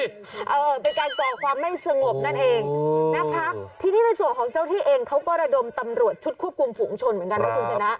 เออเป็นการก่อความไม่สงบนั่นเองนะคะ